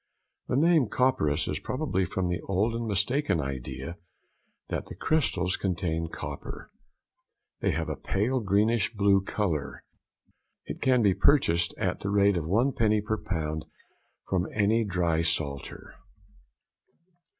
The name copperas is probably from the old and mistaken idea that the crystals contain copper. They have a pale greenish blue colour. It can be purchased at the rate of one penny per pound from any drysalter.